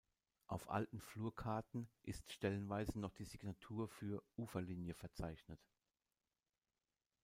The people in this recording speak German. Auf alten Flurkarten ist stellenweise noch die Signatur für „Uferlinie“ verzeichnet.